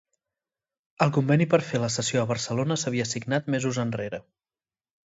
El conveni per a fer la sessió a Barcelona s’havia signat mesos enrere.